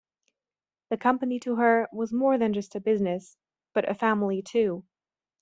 The company to her was more than just a business, but a family too.